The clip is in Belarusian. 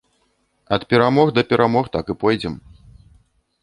Ад перамог да перамог так і пойдзем.